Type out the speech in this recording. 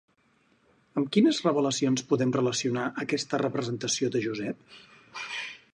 Amb quines revelacions podem relacionar aquesta representació de Josep?